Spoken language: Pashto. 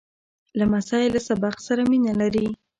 لمسی له سبق سره مینه لري.